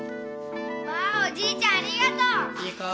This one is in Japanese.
わあおじいちゃんありがとう。